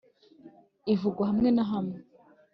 Ivugwa hamwe na hamwe